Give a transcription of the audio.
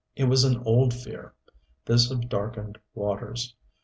It was an old fear, this of darkened waters.